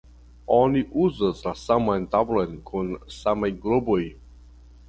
Oni uzas la saman tablon kun samaj globoj.